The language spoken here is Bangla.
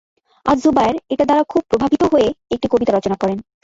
আয-জুবায়ের এটা দ্বারা খুব প্রভাবিত হয়ে একটি কবিতা রচনা করেন।